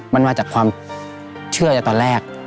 มันมาจากความเชื่อตอนแรก